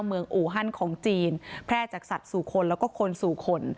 อูฮันของจีนแพร่จากสัตว์สู่คนแล้วก็คนสู่คน